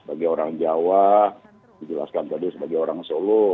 sebagai orang jawa dijelaskan tadi sebagai orang solo